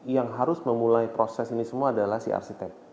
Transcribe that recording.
yang harus memulai proses ini semua adalah si arsitek